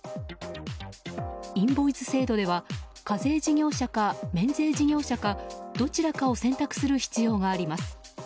インボイス制度では課税事業者か免税事業者かどちらかを選択する必要があります。